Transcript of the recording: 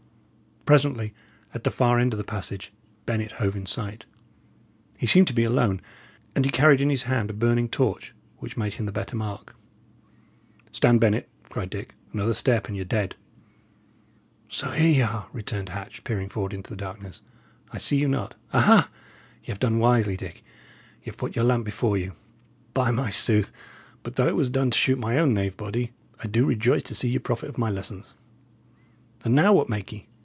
Presently, at the far end of the passage, Bennet hove in sight. He seemed to be alone, and he carried in his hand a burning torch, which made him the better mark. "Stand, Bennet!" cried Dick. "Another step, and y' are dead." "So here ye are," returned Hatch, peering forward into the darkness. "I see you not. Aha! y' 'ave done wisely, Dick; y' 'ave put your lamp before you. By my sooth, but, though it was done to shoot my own knave body, I do rejoice to see ye profit of my lessons! And now, what make ye?